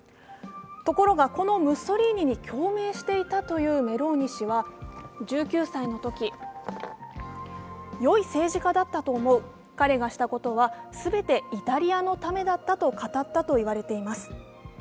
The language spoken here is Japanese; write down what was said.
ところが、このムッソリーニに共鳴していたというメローニ氏は、１９歳のとき、よい政治家だったと思う彼がしたことは全てイタリアのためだったと語ったと言われています。